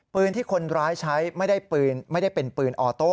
ปืนที่คนร้ายใช้ไม่ได้เป็นปืนออโต้